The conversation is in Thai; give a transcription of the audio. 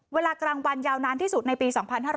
เวลากลางวันยาวนานที่สุดในปี๒๕๕๙